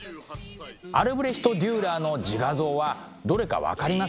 アルブレヒト・デューラーの自画像はどれか分かりますか？